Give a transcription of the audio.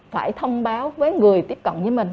phải thông báo với người tiếp cận với mình